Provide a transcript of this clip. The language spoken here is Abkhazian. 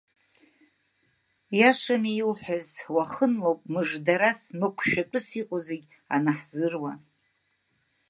Иашами иуҳәаз, уахынлоуп мыждарас, мықәшәатәыс иҟоу зегьы анаҳзыруа…